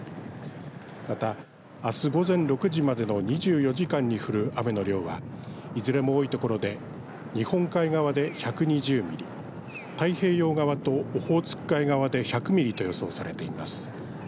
また、あす午前６時までの２４時間に降る雨の量はいずれも多いところで日本海側で１２０ミリ太平洋側とオホーツク海側で１００ミリと予想されています。